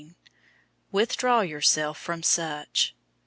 {NU omits "Withdraw yourself from such."